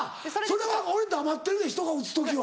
それは俺黙ってるで人が打つ時は。